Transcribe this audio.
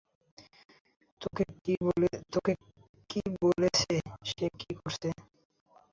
তোকে কি বলেছে সে কী করেছে?